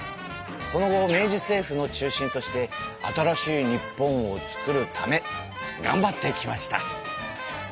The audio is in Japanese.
その後明治政府の中心として新しい日本をつくるためがんばってきました。